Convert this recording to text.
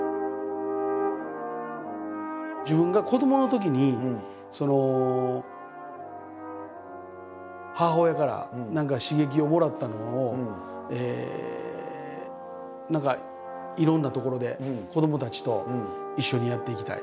自分が子どものときにその母親から何か刺激をもらったのを何かいろんなところで子どもたちと一緒にやっていきたい。